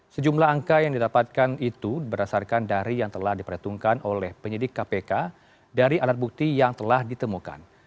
sejumlah angka yang didapatkan itu berdasarkan dari yang telah diperhitungkan oleh penyidik kpk dari alat bukti yang telah ditemukan